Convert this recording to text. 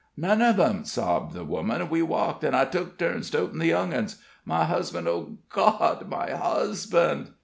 "None of 'em," sobbed the woman. "We walked, an' I took turns totin' the young uns. My husband! Oh, God! my husband!"